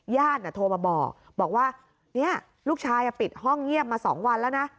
โทรมาบอกบอกว่าลูกชายปิดห้องเงียบมา๒วันแล้วนะ